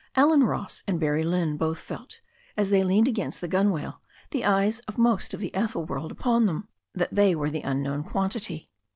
Allen Ross and Barrie Lynne both felt, as they leaned against the gunwale, the eyes of most of the Ethel world upon them, that they were the unknown quantity.